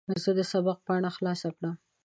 زه د سبق پاڼه خلاصه کړم.